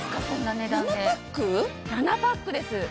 そんな値段で７パックです